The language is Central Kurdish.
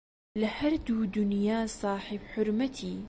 لە هەردوو دونیا ساحێب حورمەتی